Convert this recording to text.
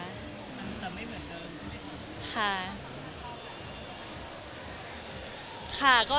ห้องโตไหมคะห้องโตไหมคะ